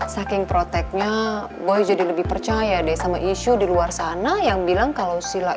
sampai jumpa di video selanjutnya